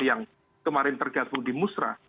yang kemarin terganggu di musrah